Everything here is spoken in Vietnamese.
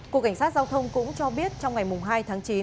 cục cảnh sát giao thông cũng cho biết trong ngày hai tháng chín